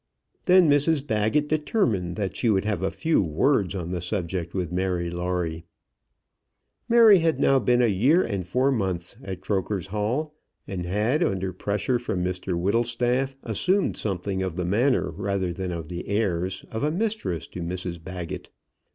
Then Mrs Baggett determined that she would have a few words on the subject with Mary Lawrie. Mary had now been a year and four months at Croker's Hall, and had, under pressure from Mr Whittlestaff, assumed something of the manner rather than of the airs of a mistress to Mrs Baggett.